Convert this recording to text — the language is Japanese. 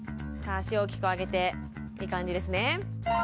足を大きく上げていい感じですね